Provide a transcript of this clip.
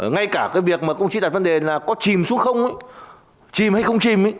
ngay cả cái việc mà công chí đặt vấn đề là có chìm xuống không chìm hay không chìm